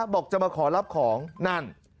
บอกจะมาขอรับของนั่น